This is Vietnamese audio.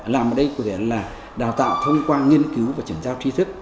làm ở đây có thể là đào tạo thông qua nghiên cứu và chẩn giao trí thức